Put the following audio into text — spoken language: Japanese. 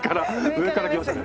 上からきましたね。